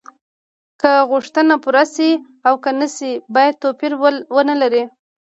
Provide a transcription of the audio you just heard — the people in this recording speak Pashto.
که غوښتنه پوره شي او که نشي باید توپیر ونلري.